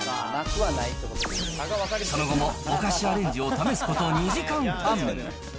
その後もおかしアレンジを試すこと２時間半。